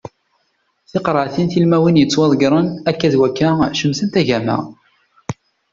Tiqreɛtin tilmawin yettwadeggren akka d wakka cemtent agama.